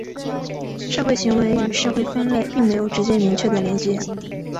社会行为与社会分类并没有直接明确的连结。